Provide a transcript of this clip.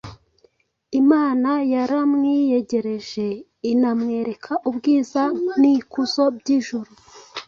Imana yari yaramwiyegereje inamwereka ubwiza n’ikuzo by’ijuru